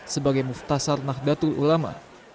sebagai muftasar nandatul ulama